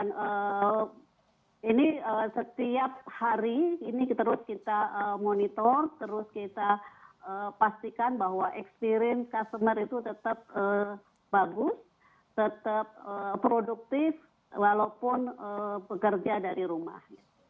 ini setiap hari ini terus kita monitor terus kita pastikan bahwa experience customer itu tetap bagus tetap produktif walaupun bekerja dari rumah